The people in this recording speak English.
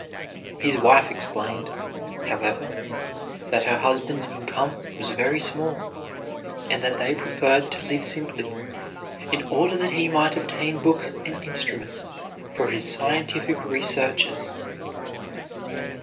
His wife explained, however, that her husband's income was very small, and that they preferred to live simply in order that he might obtain books and instruments for his scientific researches.